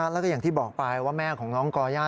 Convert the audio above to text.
แล้วก็อย่างที่บอกไปว่าแม่ของน้องก่อย่า